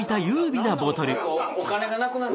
お金がなくなる。